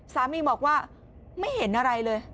สามีบอกว่าไม่เห็นอะไรเลย